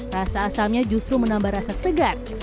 rasa asamnya justru menambah rasa segar